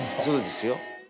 そうですよ。